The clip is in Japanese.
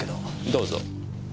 どうぞ。